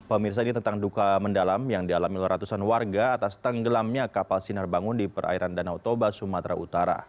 pemirsa ini tentang duka mendalam yang dialami oleh ratusan warga atas tenggelamnya kapal sinar bangun di perairan danau toba sumatera utara